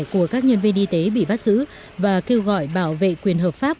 của các nhân viên y tế bị bắt giữ và kêu gọi bảo vệ quyền hợp pháp